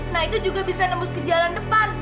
nah itu juga bisa nembus ke jalan depan